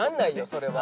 それは。